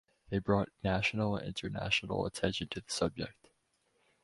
They brought national and international attention to the subject.